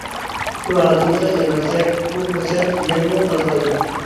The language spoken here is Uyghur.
شۇ ھالىتىمىزدە قىلىۋەرسەك، بۇ پۇرسەت يەنىمۇ ئازلايدۇ.